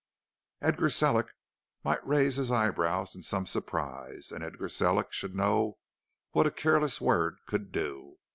Edgar Sellick might raise his eyebrows in some surprise, and Edgar Sellick should know what a careless word could do.